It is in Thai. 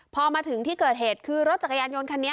พอมาถึงที่เกิดเหตุคือรถจักรยานยนต์คันนี้